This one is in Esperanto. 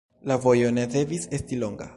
La vojo ne devis esti longa.